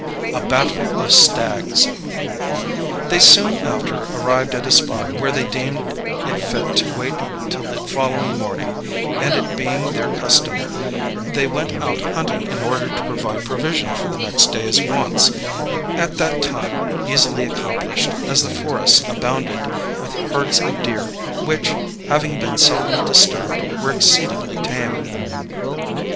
A Battle of Stags. They soon after arrived at a spot where they deemed it fit to wait till the following morning, and, it being their custom, they went out hunting in order to provide provision for the next day's wants, at that time easily accomplished, as the forests abounded with herds of deer, which, having been seldom disturbed, were exceedingly tame.